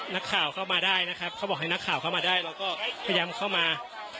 นักข่าวเข้ามาได้นะครับเขาบอกให้นักข่าวเข้ามาได้เราก็พยายามเข้ามา